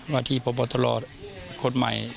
วัทธิประบบตรคนใหม่